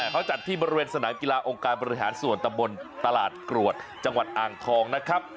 เขาจัดที่บริเวณสนามกีฬาองค์การบริหารส่วนตำบลตลาดกรวดจังหวัดอ่างทองนะครับ